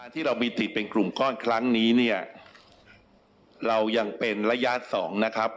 ที่เรามีติเป็นกลุ่มก้อนครั้งนี้เนี่ยเรายังเป็นระยะ๒นะครับ